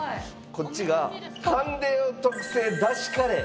こっちがカンデオ特製だしカレー。